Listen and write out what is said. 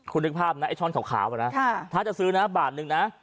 คุณนึกภาพนะไอ้ช่อนขาวนะถ้าจะซื้อนะบาทนึงนะ